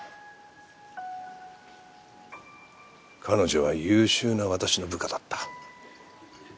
彼女は優秀な私の部下だった。